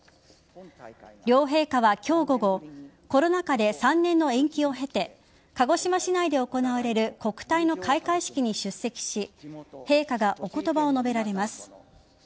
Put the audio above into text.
両陛下は今日午後コロナ禍で３年の延期を経て鹿児島市内で行われる国体の開会式に出席し陛下がおことばを述べられます。